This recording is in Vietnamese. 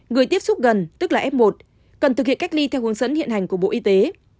người tiếp xúc gần tức là f một cần thực hiện cách ly theo hướng dẫn hiện hành của bộ y tế